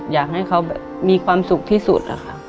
อยากให้เขามีความสุขที่สุด